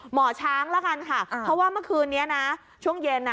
หมอช้างแล้วกันค่ะเพราะว่าเมื่อคืนนี้นะช่วงเย็น